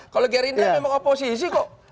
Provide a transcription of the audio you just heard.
kalau gerindra memang oposisi kok